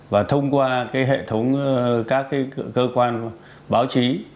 và thông qua hệ thống các cơ quan báo chí